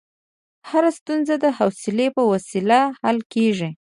هره ستونزه د حوصلې په وسیله حل کېږي.